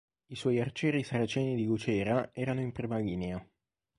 I suoi arcieri saraceni di Lucera erano in prima linea.